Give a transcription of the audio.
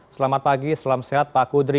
selamat pagi selamat siang pak kudri